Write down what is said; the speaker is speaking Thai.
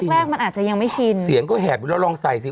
แรกมันอาจจะยังไม่ชินเสียงก็แหบอยู่แล้วลองใส่สิ